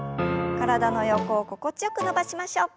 体の横を心地よく伸ばしましょう。